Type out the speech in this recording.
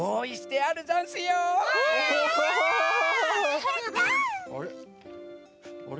あれ？